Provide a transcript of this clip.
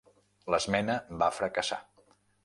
L'esmena va fracassar.